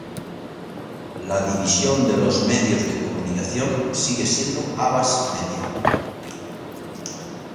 La división de los medios de comunicación sigue siendo Havas Media.